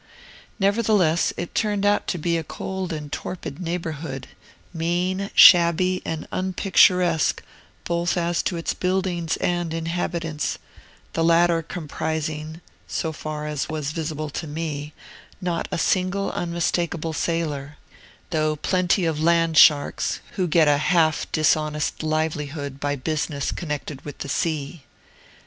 Nevertheless, it turned out to be a cold and torpid neighborhood, mean, shabby, and unpicturesque, both as to its buildings and inhabitants: the latter comprising (so far as was visible to me) not a single unmistakable sailor, though plenty of land sharks, who get a half dishonest livelihood by business connected with the sea.